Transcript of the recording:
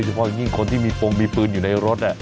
โดยเฉพาะอย่างงี้คนที่มีโปรงมีปืนอยู่ในรถเนี่ย